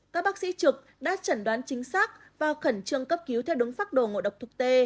các bác sĩ trực đã chẩn đoán chính xác và khẩn trương cấp cứu theo đúng pháp đồ ngộ độc thuốc tê